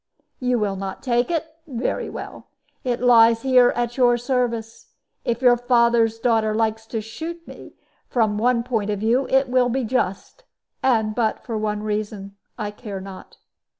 "You will not take it? Very well; it lies here at your service. If your father's daughter likes to shoot me, from one point of view it will be just; and but for one reason, I care not.